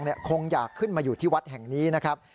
ทะเคียนทองเนี่ยคงอยากขึ้นมาอยู่ที่วัดแห่งนี้นะครับ